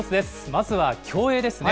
まずは競泳ですね。